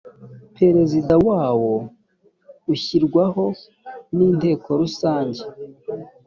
perezida wawo ushyirwaho n inteko rusange